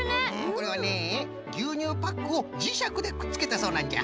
これはねぎゅうにゅうパックをじしゃくでくっつけたそうなんじゃ。